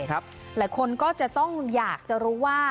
หลายคนก็จะต้องอยากจะรู้ว่า